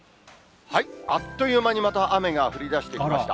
あっという間にまた雨が降りだしてきました。